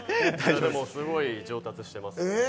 でもすごい上達しています。